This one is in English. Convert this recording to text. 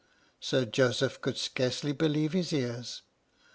" Sir Joseph could scarcely believe his ears.